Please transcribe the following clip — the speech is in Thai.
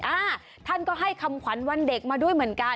อ่าท่านก็ให้คำขวัญวันเด็กมาด้วยเหมือนกัน